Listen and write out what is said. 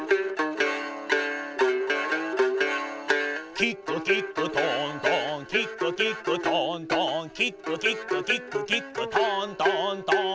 「キックキックトントンキックキックトントン」「キックキックキックキックトントントン」